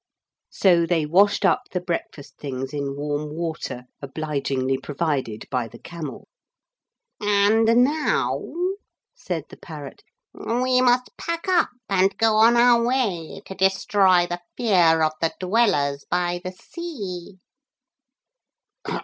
So they washed up the breakfast things in warm water obligingly provided by the camel. 'And now,' said the parrot, 'we must pack up and go on our way to destroy the fear of the Dwellers by the Sea.'